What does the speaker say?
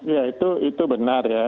ya itu benar ya